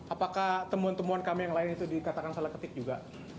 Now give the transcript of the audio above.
apakah temuan temuan kami yang lain itu dikatakan salah ketik juga